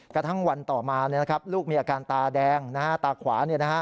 กระทั่งวันต่อมาลูกมีอาการตาแดงตาขวา